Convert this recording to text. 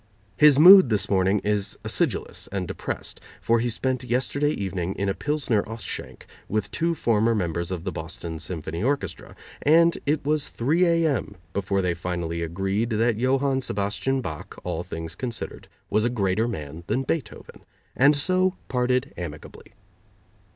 His mood this morning is acidulous and depressed, for he spent yesterday evening in a Pilsner ausschank with two former members of the Boston Symphony Orchestra, and it was 3 A. M. before they finally agreed that Johann Sebastian Bach, all things considered, was a greater man than Beethoven, and so parted amicably.